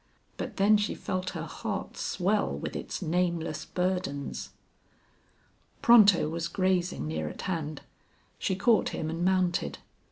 But then she felt her heart swell with its nameless burdens. Pronto was grazing near at hand. She caught him and mounted.